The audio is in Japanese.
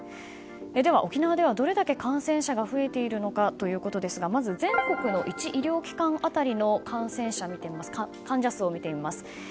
では沖縄ではどれだけ感染者が増えているのかということですがまず全国の１医療機関当たりの患者数を見てみます。